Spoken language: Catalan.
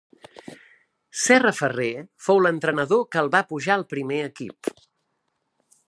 Serra Ferrer fou l'entrenador que el va pujar al primer equip.